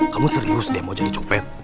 kamu serius deh mau jadi copet